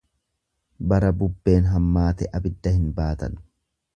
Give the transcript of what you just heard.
Bara bubbeen hammaate abidda hin baatan.